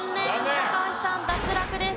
高橋さん脱落です。